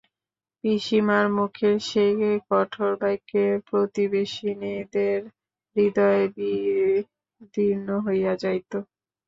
পিসিমার মুখের সেই কঠোর বাক্যে প্রতিবেশিনীদের হৃদয় বিদীর্ণ হইয়া যাইত।